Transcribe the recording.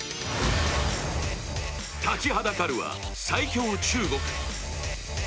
立ちはだかるは、最強・中国。